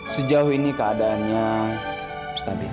sejauh ini keadaannya stabil